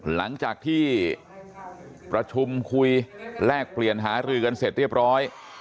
หลังจากที่ประชุมคุยแลกเปลี่ยนหารือกันเสร็จเรียบร้อย